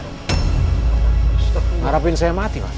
mengharapkan saya mati